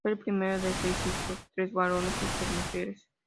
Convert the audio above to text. Fue el primero de seis hijos, tres varones y tres mujeres.